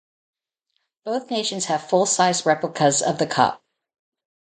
Both nations have full size replicas of the Cup.